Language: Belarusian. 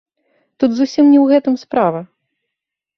Тут зусім не ў гэтым справа.